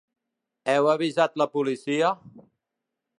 Heu avisat la policia?